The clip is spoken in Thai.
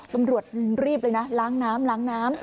ตำรวจรีบเลยนะล้างน้ำล้างน้ำ